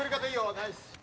ナイス」